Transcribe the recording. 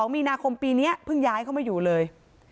มีนาคมปีนี้เพิ่งย้ายเข้ามาอยู่เลย